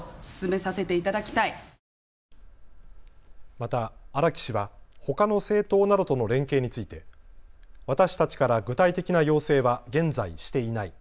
また、荒木氏はほかの政党などとの連携について私たちから具体的な要請は現在していない。